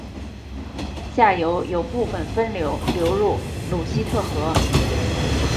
下游有部分分流流入鲁希特河。